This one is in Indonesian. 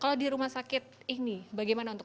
kalau di rumah sakit ini bagaimana untuk